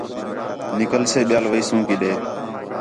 نِکلسے ٻِیال ویسوں کِݙے